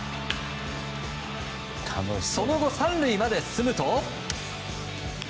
その後、３塁まで進むと。